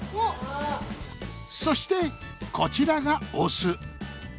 そしてこちらがオス。